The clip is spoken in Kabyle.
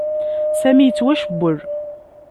Sami yettwacewwel.